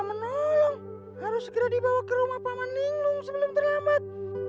menolong harus segera dibawa ke rumah paman ninglung sebelum terlambat